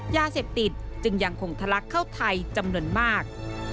ยาเสพติดจึงยังคงทะลักเข้าไทยจำนวนมาก